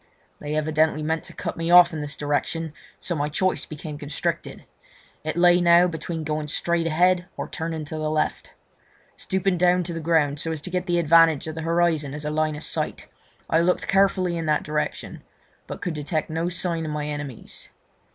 They evidently meant to cut me off in this direction, and so my choice became constricted; it lay now between going straight ahead or turning to the left. Stooping to the ground, so as to get the advantage of the horizon as a line of sight, I looked carefully in this direction, but could detect no sign of my enemies.